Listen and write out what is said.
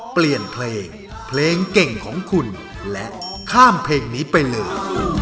เปลี่ยนเพลงเพลงเก่งของคุณและข้ามเพลงนี้ไปเลย